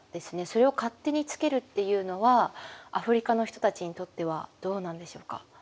それを勝手に付けるっていうのはアフリカの人たちにとってはどうなんでしょうか？